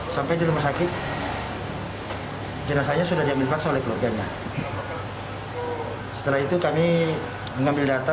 sampai di rumah sakit jenazahnya sudah diambil paksa oleh keluarganya setelah itu kami mengambil data